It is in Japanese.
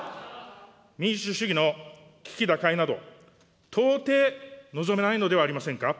民主主義の危機打開など、到底望めないのではありませんか。